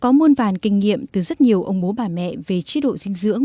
có muôn vàn kinh nghiệm từ rất nhiều ông bố bà mẹ về chế độ dinh dưỡng